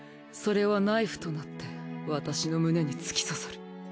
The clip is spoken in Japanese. それはナイフとなって私の胸に突き刺さる。